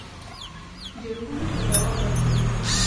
جنګونو ته دوام ورکوي.